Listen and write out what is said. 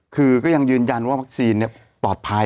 คือก็ยังยืนยันว่าวัคซีนปลอดภัย